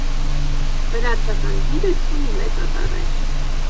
Վրացական գիրը չունի մեծատառեր։